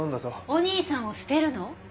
お兄さんを捨てるの？